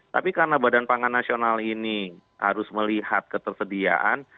tapi karena badan pangan nasional ini harus melihat ketersediaan